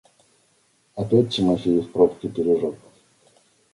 Опять Тимофеев пробки пережег!